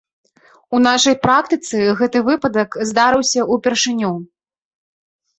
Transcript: У нашай практыцы гэты выпадак здарыўся ўпершыню.